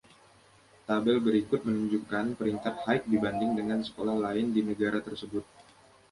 Tabel berikut menunjukkan peringkat High dibanding dengan sekolah lain di negara tersebut.